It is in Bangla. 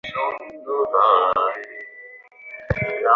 তাঁহারা কেবল গুটিকতক কথামাত্র বলিয়া গিয়াছেন।